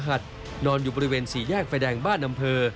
เจ้าหน้าที่กู้ธรรมอยู่บริเวณสี่แยกไฟแดงบ้านอำเภอ